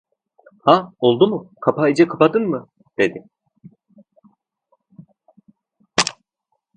Ha? Oldu mu? Kapağı iyice kapadın mı? dedi.